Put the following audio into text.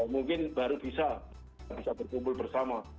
mungkin baru bisa berkumpul bersama